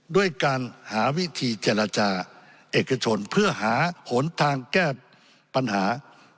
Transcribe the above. ด้วยการหาวิธีเจรจาเอกชนเพื่อหาหนทางแก้ปัญหา